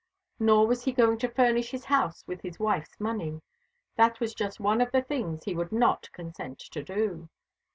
Nor was he going to furnish his house with his wife's money. That was just one of the things he would not consent to do.